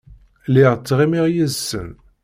Lliɣ ttɣimiɣ yid-sen.